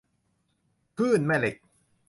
คลื่นแม่เหล็ก